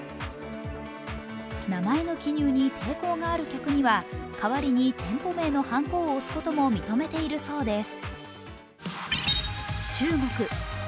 名前の記入に抵抗がある客には、代わりに店舗名のはんこを押すことも認めているそうです。